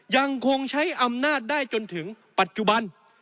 ยังคงใช้อำนาจได้จนถึงปัจจุบัน